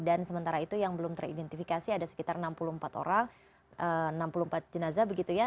dan sementara itu yang belum teridentifikasi ada sekitar enam puluh empat orang enam puluh empat jenazah begitu ya